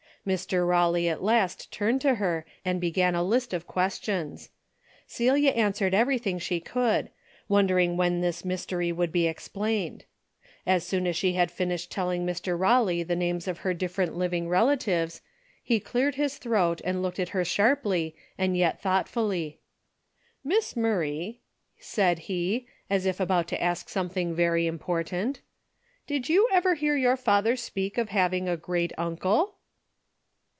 Mr. Rawley at last turned to her and began a list of questions. Celia answered everything she could, wondering when this mystery would be explained. As soon as she had fin ished telling Mr. Rawley the names of her dif ferent living relatives, he cleared his throat and looked at her sharply and yet thought fully: " Miss Murray," said he, as if about to ask something very important, " did you ever hear your father speak of having a great uncle